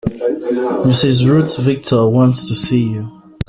Mrs. Ruth Victor wants to see you.